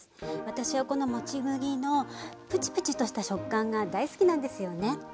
私はこのもち麦のプチプチとした食感が大好きなんですよね。